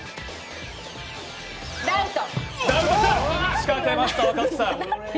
仕掛けました、若槻さん。